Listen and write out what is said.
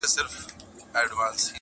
• خیر لږ دي وي حلال دي وي پلارجانه,